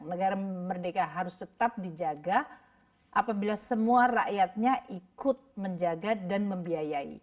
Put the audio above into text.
negara merdeka harus tetap dijaga apabila semua rakyatnya ikut menjaga dan membiayai